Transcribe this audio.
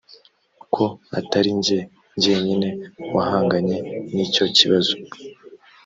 ko atari jye jyenyine wahanganye n icyo kibazo